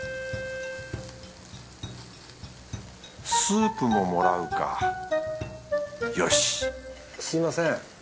スープももらうかよしすみません。